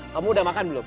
kamu udah makan belum